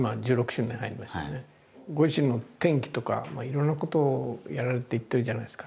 ご自身の転機とかいろんなことをやられていってるじゃないですか。